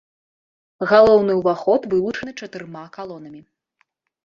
Галоўны ўваход вылучаны чатырма калонамі.